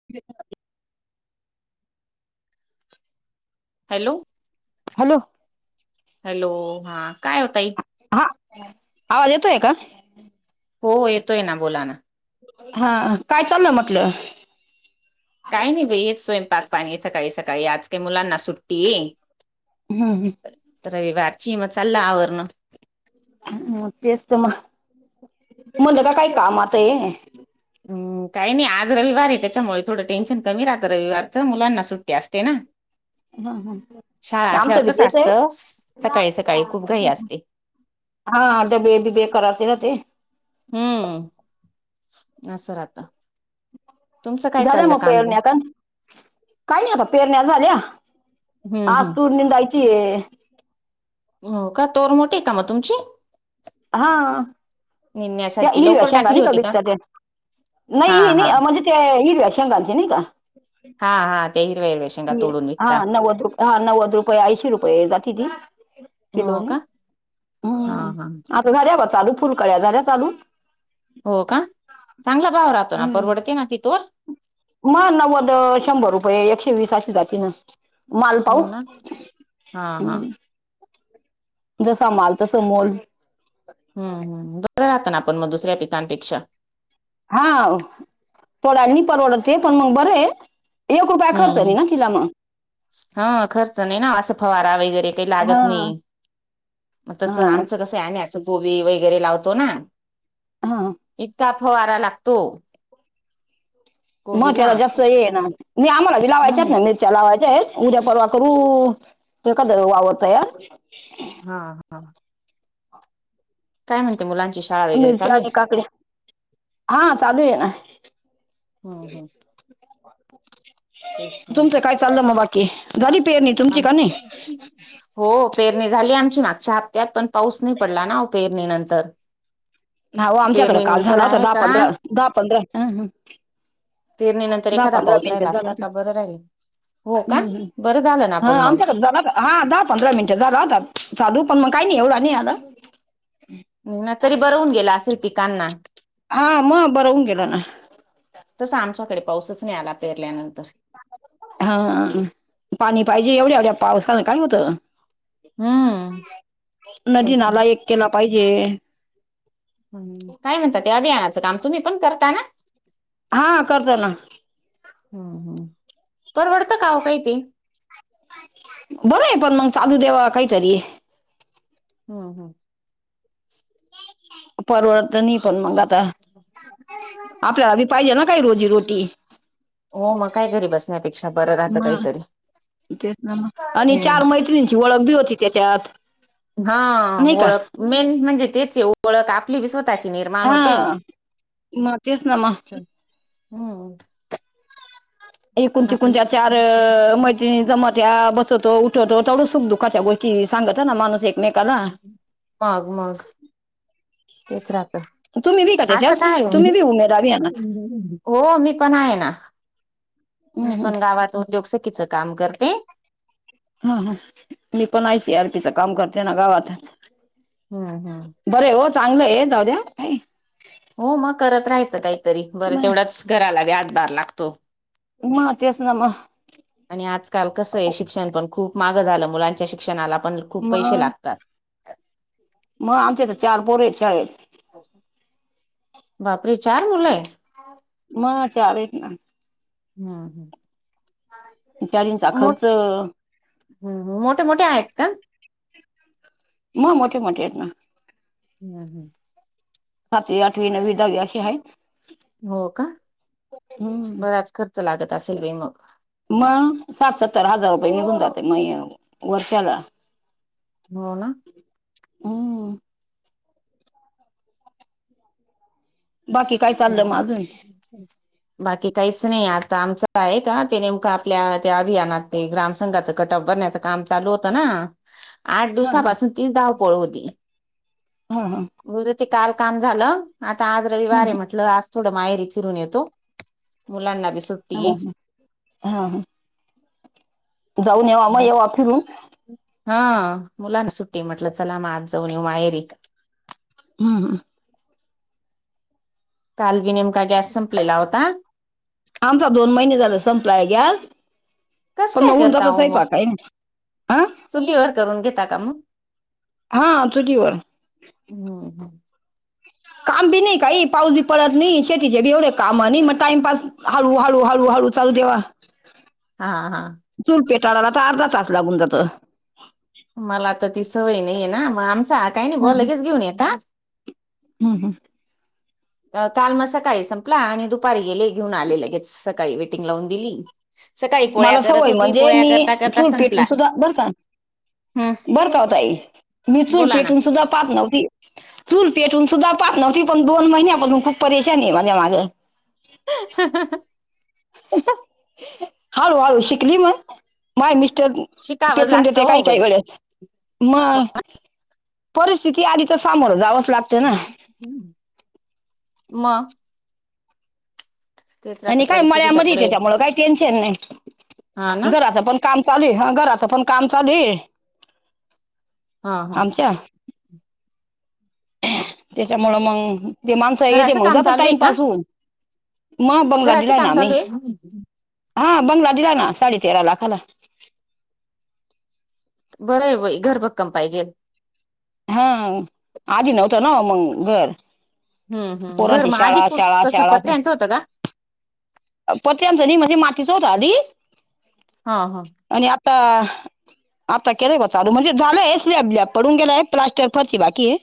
[unintelligible] Hello hello hello हा काय हो ताई. हा आवाज येतोय का? हो येतोय ना बोलाना. हा काय चाललंय म्हटल. काही नाही बयी हेेच स्वयंपाक पाणी सकाळी सकाळी. आज काय मुलांना सुट्टी आहे. हम्म हम्म रविवारची म चालल आवरण. म तेच तर मग म्हणल का काही कामात आहे. हम्म काही नाही आज रविवार आहे त्याच्यामुळे थोड टेन्शन कमी राहत रविवारच. मुलांना सुट्टी असते ना. शाळा आमचं असल्यावर बी कस तेच आहे असत सकाळी सकाळी खूप घाई असते. हा डबे बिबे करायचे राहते. हम्म अस राहत. झाल्या मग बिम पेरण्या का. काय नाही आता पेरण्या झाल्या. हम्म आज हम्म तूर निंदायची आहे. हो का तोर मोठी आहे का मग तुमची. हा त्या निन्यासारखी हिरव्या लवकर शेंगा टाकली नाही का होती विकता त्या. हा नाही हे हा नाही म्हणजे ते हिरव्या शेंगाचे नाही का हा हा त्या हिरव्या हिरव्या शें ती हा नव्वद रुपये हा नव्वद रुपये ऐंशी रुपये जाती ती हो किलोनी. का हा हम्म हा आता झाल्या बवा चालू. फुलकळ्या झाल्या चालू. हो का चांगला भाव राहतो ना. हम्म परवडते ना ती तोर. मग नव्वद, शंभर रुपये, एकशे वीस अशी जाती ना. माल पाहू हो ना हा हा हम्म जसा माल तस मोल. हम्म बरं राहत ना पण मग दुसऱ्या पिकांपेक्षा. हा तोडायला नाही परवडत ते. पण मग बर आहे. एक रुपया खर्च हम्म नाही ना तिला म. हा खर्च नाही ना असं फवारा वगैरे ते लागत हा नाही. मग तस हा आमचं कस आहे आम्ही अस कोबी वगैरे लावतो ना. हा इतका फवारा लागतो. मग कोबीला त्याला जास्त हे आहे ना मग. हम्म नाही आम्हाला भी लावायच्यात ना मी रच्या लावायच्या आहे. उद्या परवा करू एखाद वावर तयार. हा हा. काय म्हणते मुलांची श मिरची आणि काकडे हा चालूये ना. हम्म हम्म तेच ना तुमचं काय चाललं म बाकी झाली पेरणी तुमची का आमच नाई? हो पेरणी झाली आमची मागच्या हफ्त्यात, पण पाऊस नाई पडला ना पेरणी नंतर. ना हो आमच्याकडं पेरणी काल नंतर झाला होता आहे धा का पंधरा, धा पंधरा अ हम्म पेरणी नंतर एखादा पाऊस राहिला असता का, बरं राहिल हो का हम्म हम्म. बरं झालं ना हा आपण मग आमच्याड झाला [unintelligible] हां धा पंधरा मिनटं झाला होता, चालू पण मग काही नाई एवढा नाई आला. न तरी बरवून गेल असेल पिकांना. हा म बर हून गेल ना. तस आमच्याकडे पाऊसच नाय आला पेरल्यानंतर. हा पाणी पाहिजे. एवढ्या एवढ्या पावसान काय होतं? हम्म नदी तस नाला एक केला पाहिजे. हम काय म्हणता, ते अभियानाचं काम तुम्ही पण करता ना? हा करतो ना. हम्म हम्म. परवडतं का हो काही ते? बरंय पण मग चालू देवा काहीतरी. हम्म हम्म. परवळत नाही पण मग आता, आपल्याला पाहिजे ना काही रोजीरोटी. हो मग काय घरी बसण्यापेक्षा बरं राहतं म्ह काहीतरी तेच ना म आणि हम्म. चार मैत्रीण ची वळक बी होती त्याच्यात हा नाही का वळक, मेन म्हणजे तेच ये ओ वळक आपली बी स्वतःची निर्माण हा होती. मग तेच ना मग हम्म. एकूणची आपली कुंज्या चार मज ते जमत्या बसतो-उठतो तेवढं सुख दुःखाच्या गोष्टी सांगत ना, माणूस एक माग मग तेच रात तुम्ही बी का त्याच्यात असं काय ओ ही तुम्ही बी उमेद अभियानात हो मी पण आहे ना, हम्म मी हम्म. पण गावात उद्योग सखीचं काम करते. हा हा, मी पण आय सी आर टी चं काम करते ना गावातच. हम्म हम्म. बरंय ओ चांगलंय [unintelligible] हो मग करत राहायचं काहीतरी, बरं मग तेवढंच घराला बी हातबार लागतो. म तेच ना म आणि आजकाल कसंय शिक्षण पण खूप मागं झालं, मुलांच्या शिक्षणाला पण खूप पैशे लागतात. म आमचे तर चार पोरयेत शाळेत बापरे चार मुलंय? म चार येत ना हम्म. [unintelligible] खर्च हम्म हम्म. मोठे मोठे आहेत का? म मोठे मोठे येत ना. हम्म हम्म. सतवी, अठवी, नवी, दावी अशे हाय. हो का? हम्म. बराच खर्च लागत असेल बाई मग. म सात सत्तर हजार रुपये निघून जातय मय वर्षाला. हो ना. हम्म. बाकी काय चाललं मग अजून [inaudible] बाकी काहीच नाही आता आमचं आहे का ते नेमकं आपल्या त्या अभियानात ते ग्राम संंघाचं कटप करण्याचं काम चालू होतं ना आठ हा हा दिवसापासून तीच धाव पळ होती हा हा उदं ते काल काम झालं आता आज र म्हटलं आज थोड माहेरी फिरून येतो मुलांनाी सुट ह हा ह जाऊन येवा मग येवा फिरून हा मुलांना सुट्टी म्हटलं चला म आज जाऊन येऊ माहेरी का हम ह काल बी नेमका गॅस संपलेला होता. आमचा दोन महिने झाल संपलाय गॅस. कस पण काय मगऊन करता जस हो सही मग फका आहेन हं चुलीवर करून घेता का मग हा चुझवर हम काम बी नाही काही पाऊस बी पडत नाही शेतीचे बी एवढे काम नाही मग टाइमपास हळू हळू हळू हळू चालू देव हा हा चूल पेटाळाला तर अर्धा तास लागून जातं मला तर ती सवय नाहीये ना मग आमचा काही नाही ग लगेच घेऊन येता हम् हमं काल मग सकाळी संपला आणि दुपारी गेले घेऊन आले लगेच सकाळी वेटिंग लावून दिली सकाळी पोळ्या मला करत सवय होती म्हणजे पोळ्या मी करता करता चूर संपला पेटून सुद्धा धरका हम्म बरं का होताई मिचून बोला ना पेटून सुद्धा पहात नव्हती चूल पेटून सुद्धा पाह नव्हती पण दोन महिन्यापासून खूप प्याय नाही माझ्या माझं ह हळू हळू शिकली मग माय मिस्टर शिकावं तेेटून लागतं तेथे काही हो काय बाई. गरस मग परिस्थिती आधीच सामोर जावंच लागत म आता आणि काय परिस्थितीच्या मळ्यामध्ये पुढे त्याच्यामुळे काही टेन्शन हा नाही ना घराचा पण काम चाली हा घराचं पण काम चाली हा हा आमच्या त्याच्यामुळं मग ते माणसा येती घराचं मग, काम जातो चालू आहे का टाइमपास होऊन. मग बंगला घराचं दिला काम ना मी, चालू आहे हा बंगला दिला ना साडे तेरा लाखाला. बरं आहेई घरभक्कम पाहिजे हा आधी नव्हतं न मग घर हम्म हम् घर पोरांची म आधी कुठ कसं पत्र्यांचं होतं का पत आणच नि माजे माातीच रा अली हा हा आणि आता आता केलेय होताचाल म्हजे झालं एसले आपल्या पडूून गेले आहे प्लास्टर फती बाकी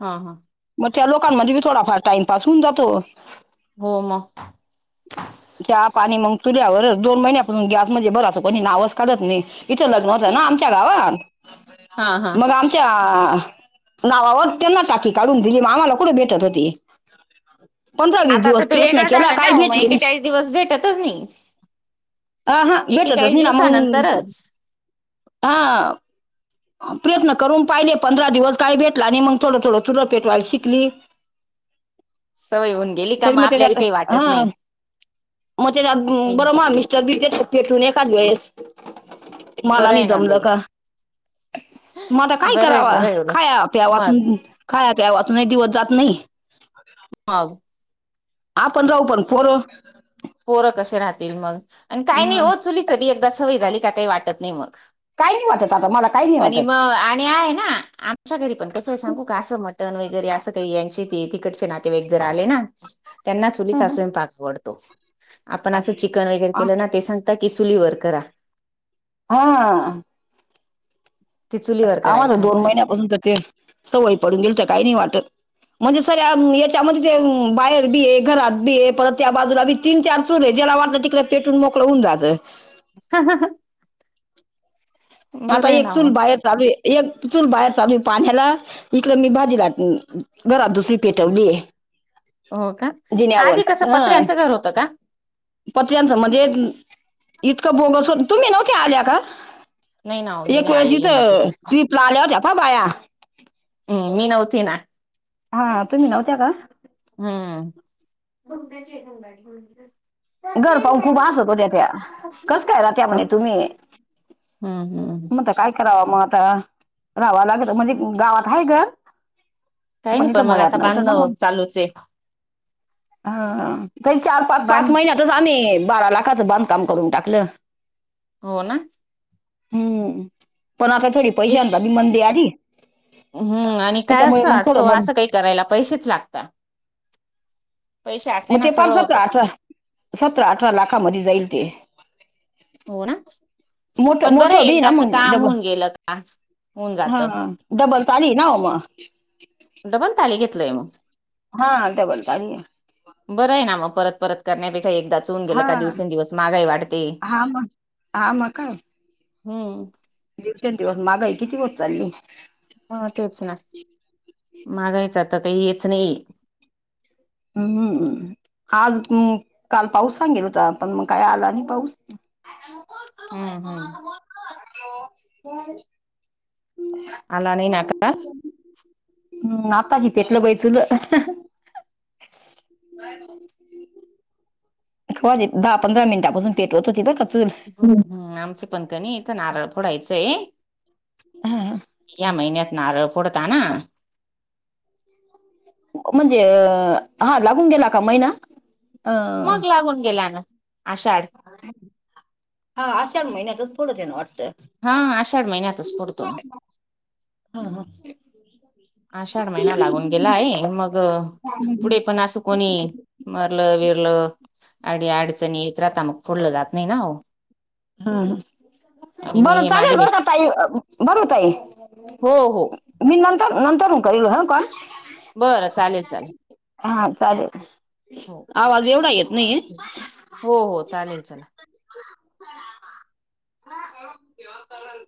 हा हा मग त्या लोकांमध्ये बी थोडाफार टाइमपास होऊ जातो हो मग चहा पाणी मग तुऱ्यावर दोन महिन्यापासून गॅस म्हणजे बर अस कोणी नावस काढत नाही इथं लग्न होतं ना आमच्या हा हा गावात मग आमच्या नावावर त्यांना टाकी काढून दिली मामाला कुठे भेटत होती पंधरा वीस आता तर दिवस ते प्रयत्न वेगळं केला झालं ना काही हो. मग भेटली नाही एकेचाळीस दिवस भेटतच नाही अ हा भेटत च एकेचाळीस नई ना मंग दिवसानंतरच हा प्रयत्न करून पाहिले पंधरा दिवस काही भेटला आणि मग थोडं थोडं चुर पेठवायला शिकली सवय होऊन गेली [inaudible] का तरी मग आपल्याला त्याच्याात काही वाटत हा नाही मग त्याच्यात बरं माल - चबी त्याच्या पेटून एखाद वेळेस मला बरं नाही आहे ना जमलं बाई का म आता काय बरं आहे कराव बरं आहे एवढं खाया मग प्यायवाचून खाया प्यायावाचूनही दिवस जात नाही [unintelligible] आपण राहू पण पोर पोरं कशे राहतील मग आणि काही नाही मग हो चुलीच बी एकदा सवय झाली का काही वाटत नाही मग काही नाही वाटत आता मला काही नाही आणि वाटत मग आणि आहे ना अशा घरी पण कसं सांगू का असं मटन वगैरे असं काही यांचे ते तिकडचे नातेवाईक जर आले ना त्यांना चुलीचा स्वयंपाक आवडतो आपण असं चिकन वगैरे केलं ना ते सां - ता कि चुली वर करा हा ती चुलीवर करायला आम्हाला तर दोन सांगता महिन्यापासून तर ते सवयी पडून गेल तर काही नाही वाटत म्हणजे सर्या याच्यामध्ये ते बाहेर बी आहे घरात बी आहे परत त्या बाजूला बी तीन चार चूर आहे ज्याला वाटत तिकडे पेटून मोकळ होऊन जायच हा हा हा आता आहे एक ना चूल मग बाहेर चालूय एक चूल बाहेर चालूय पाण्याला इकडे मी भाजी लाट घरात दुसरी पेटवलीय हो का आधी कसं ह पत्र्यांचं घर होतं का पत्र्यांचं म्हणजे इतकं बोगस हो तुम्ही नव्हत्या आल्या का नाही ना मीे नाही आली [unintelligible] लालेह झफा बाया हम्म मी नवती ना हा तुम्ही नव्हत्या का हम् [unintelligible] घर पाहून खूप हासत होत्या त्या कस काय राहत्या म्हणे तुम्ही हम् हम आता काय कराव मग आता राहावं लागल म्हणजे गावात आहे घर काही नाही इथं पण मग मळ्यात आता नव्हतं ना बांधणं मग चालूच आहे हा त चार पाच पाच बांध महिन्यातच आम्ही बारा लाखाचं बांधकाम करून टाकलं हो ना हम्म पण आता थोडी पैश पैशा तन मंदी आली हम्म आणि काय त्याच्यामुळे असं मग असतो थोडं बंद असं काही करायला पैशेच लागता पैसे असले मग ना ते पाच सगळं सतरा होतं अठरा सतरा अठरा लाखामध्ये जाईल ते हो ना मोठ पण बरं मोठं बी ना एकदाच मग काम डबल होऊन गेलं का होऊन जात हा डबल ताली ना म डबल ताली घेतलंय मग हा डबल ताली य बरं आहे ना मग परत परत करण्यापेक्षा एकदाच च होऊन गेलं हा का दिवसेंदिवस महागाई वाढते हा मग हा मग काय हम् दिवसेंदिवस महागाई किती होत चालली हा तेच ना मागायचंता का हेच नाही हम्म्म आज काल पाऊस सांगेल होता पण मग काय आला नाही पाऊस [unintelligible] हम्म हम्म ह अला नाही नाका हम् आता ही पेटलं बाई चुल दहा पंधरा मिनिटापासून पेटवत होती बर का चूल ह्म हम आमचे पंखनीथ नारळ फोडायचंय या महिन्यात नारळ फोडता ना ह म्हणजे हा लागून गेला का महिना अ मग लागून गेल्यान आषाढ हा आषाढ महिन्यातच थोडं देण वाटतं हा आषाढ महिन्यातच पुडतो ह आषाढ महिना लागून गेला आहे मग पुढे पण असं कोणी मरलं विरलं अडी अडचणीेत रा आता मग फडलं जात नाही ना हम् आणि मग बर हे माझे चालेल बर मिस्ट काताई बरूताई हो हो मी नंतर नंतर करलो ह कल बरं चालेल चालेल हा चालेल हो आवाज एवढा येत नाही हो हो चालेल चला कर घ तरल